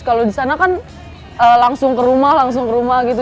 kita kan langsung ke rumah langsung ke rumah gitu